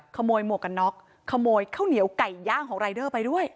หมวกกันน็อกขโมยข้าวเหนียวไก่ย่างของรายเดอร์ไปด้วย